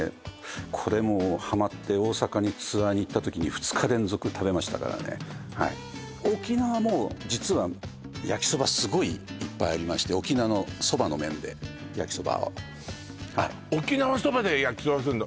これもハマって大阪にツアーに行った時に２日連続食べましたからねはい沖縄も実は焼きそばすごいいっぱいありまして沖縄のそばの麺で焼きそばは沖縄そばで焼きそばするの？